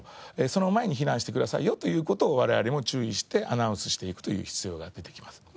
その前に避難してくださいよという事を我々も注意してアナウンスしていくという必要が出てきます。